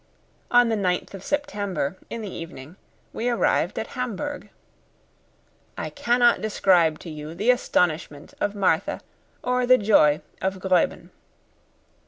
On the 9th of September, in the evening, we arrived at Hamburg. I cannot describe to you the astonishment of Martha or the joy of Gräuben.